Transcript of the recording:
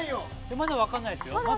まだ分かんないですよ